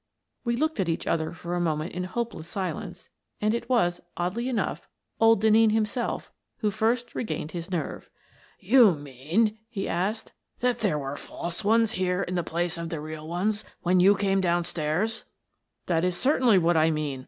We looked at each other for a moment in hopeless silence, and it was, oddly enough, old Denneen him self who first regained his nerve. " You mean," he asked, " that there were false ones here in the place of the real ones when you came down stairs? " "That is certainly what I mean.